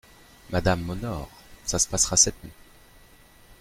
Madame m’honore… ça se passera cette nuit…